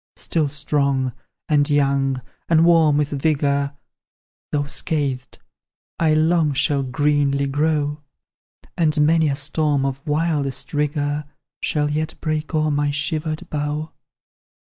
"Still strong and young, and warm with vigour, Though scathed, I long shall greenly grow; And many a storm of wildest rigour Shall yet break o'er my shivered bough.